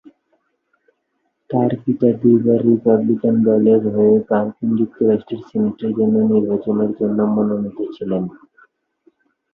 তার পিতা দুইবার রিপাবলিকান দলের হয়ে মার্কিন যুক্তরাষ্ট্রের সিনেটের জন্য নির্বাচনের জন্য মনোনীত ছিলেন।